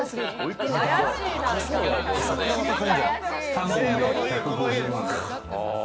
３本で１５０万。